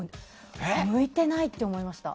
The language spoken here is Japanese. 向いてないって思いました。